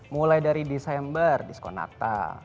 mulai dari desember diskon natal